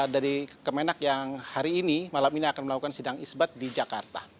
dari kemenak yang hari ini malam ini akan melakukan sidang isbat di jakarta